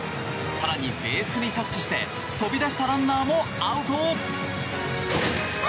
更にベースにタッチして飛び出したランナーもアウト。